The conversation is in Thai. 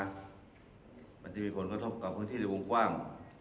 มันจะมีผลกระทบกับพื้นที่ในวงกว้าง